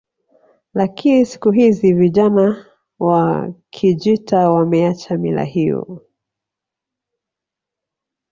Lakini siku hizi vijana wa Kijita wameacha mila hiyo